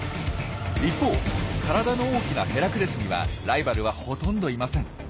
一方体の大きなヘラクレスにはライバルはほとんどいません。